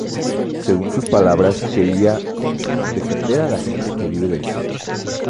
Según sus palabras, quería ""defender a la gente que vive del cine"".